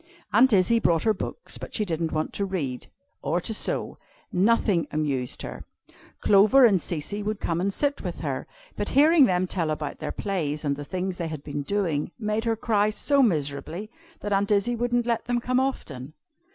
Aunt Izzie brought her books, but she didn't want to read, or to sew. Nothing amused her. Clover and Cecy would come and sit with her, but hearing them tell about their plays, and the things they had been doing, made her cry so miserably, that Aunt Izzie wouldn't let them come often.